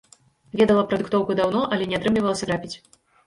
Ведала пра дыктоўку даўно, але не атрымлівалася трапіць.